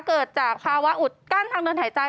เกิดจากภาวะอุดกั้นทางเดินหายใจ